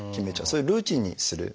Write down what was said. そういうルーチンにする。